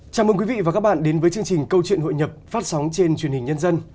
chào mừng quý vị và các bạn đến với chương trình câu chuyện hội nhập phát sóng trên truyền hình nhân dân